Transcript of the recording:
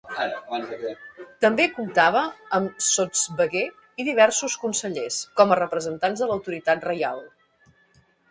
També comptava amb sotsveguer i diversos consellers, com a representants de l'autoritat reial.